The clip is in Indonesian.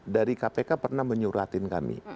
dari kpk pernah menyuratin kami